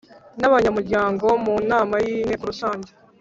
N abanyamuryango mu nama y inteko rusange